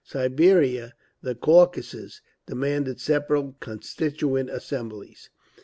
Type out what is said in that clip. Siberia, the Caucasus, demanded separate Constituent Assemblies.